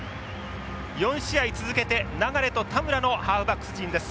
４試合続けて流と田村のハーフバックス陣です。